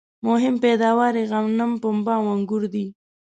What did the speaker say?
مهم پیداوار یې غنم ، پنبه او انګور دي